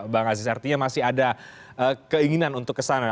bang aziz artinya masih ada keinginan untuk kesana